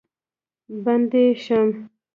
بندي شم.